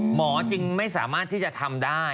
จึงไม่สามารถที่จะทำได้